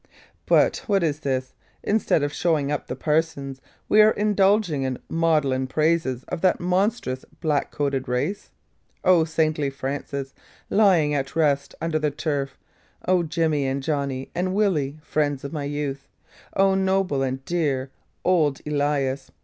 But what is this? Instead of 'showing up' the parsons, are we indulging in maudlin praises of that monstrous black coated race? O saintly Francis, lying at rest under the turf; O Jimmy, and Johnny, and Willy, friends of my youth! O noble and dear old Elias!